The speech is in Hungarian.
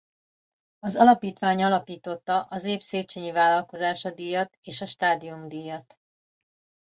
Az alapítvány alapította az Év Széchenyi Vállalkozása Díjat és a Stádium-díjat.